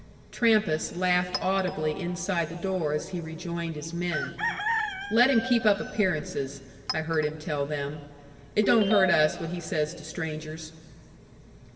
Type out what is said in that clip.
Trampas laughed audibly inside the door as he rejoined his men. "Let him keep up appearances," I heard him tell them. "It don't hurt us what he says to strangers."